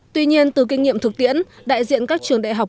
tuy nhiên từ kinh nghiệm thực tiễn đại diện các trường đại học